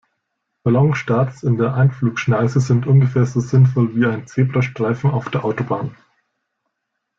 Ballonstarts in der Einflugschneise sind ungefähr so sinnvoll wie ein Zebrastreifen auf der Autobahn.